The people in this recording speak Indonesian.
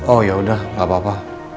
oh yaudah gak apa apa